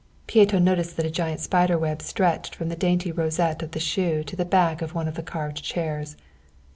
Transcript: Pieto noticed that a giant spider web stretched from the dainty rosette of the shoe to the back of one of the carved chairs.